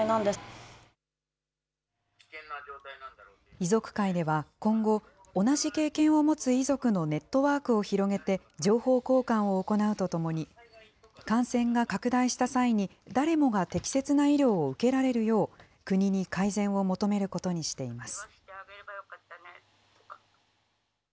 遺族会では、今後、同じ経験を持つ遺族のネットワークを広げて、情報交換を行うとともに、感染が拡大した際に誰もが適切な医療を受けられるよう、国に改善を求めることにしています。